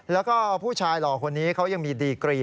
แล้วก็ผู้ชายหล่อคนนี้เขายังมีดีกรี